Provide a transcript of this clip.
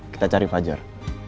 kita cari fajar